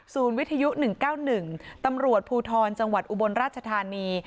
วิทยุ๑๙๑ตำรวจภูทรจังหวัดอุบลราชธานี